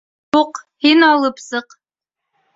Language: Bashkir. Юҡ, һин алып сыҡ!